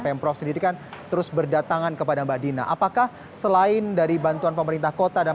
pemprov sendiri kan terus berdatangan kepada mbak dina apakah selain dari bantuan pemerintah kota dan